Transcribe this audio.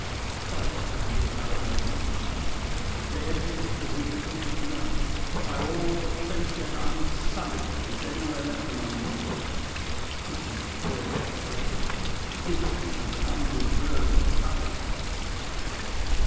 By the heavenly powers I beseech thee, the deities to whom truth is known, by all the faith yet unsullied that is anywhere left among mortals; pity woes so great; pity an undeserving sufferer."